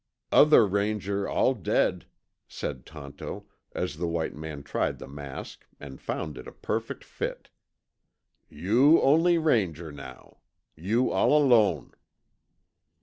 "Other Ranger all dead," said Tonto, as the white man tried the mask and found it a perfect fit. "You only Ranger now. You all alone."